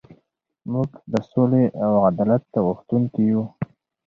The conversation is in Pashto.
موږ د سولې او عدالت غوښتونکي یو.